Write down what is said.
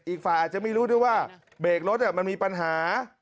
อีกฝ่ายอาจจะไม่รู้ด้วยว่าเบรกรถมันมีปัญหา